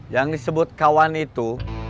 yang disebut kawan itu